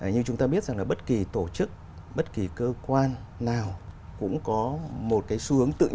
nhưng chúng ta biết rằng là bất kỳ tổ chức bất kỳ cơ quan nào cũng có một cái xu hướng tự nhiên